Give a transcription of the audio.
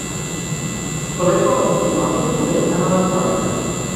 Coleco va continuar fent-ho bé en electrònica.